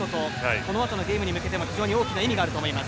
このあとのゲームに向けても非常に大きな意味があると思います。